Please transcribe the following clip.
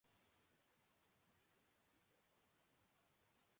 Liverpool سال بعد